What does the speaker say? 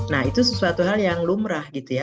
nah itu sesuatu hal yang lumrah gitu ya